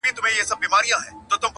• هر ګستاخ چي په ګستاخ نظر در ګوري,